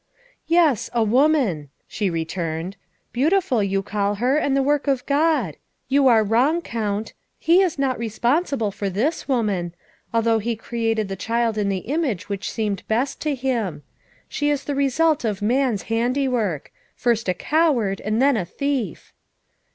''" Yes, a woman," she returned, " beautiful, you call her, and the work of God. You are wrong, Count. He is not responsible for this woman, although He created the child in the image which seemed best to Him. She is the result of man's handiwork first a coward and then a thief."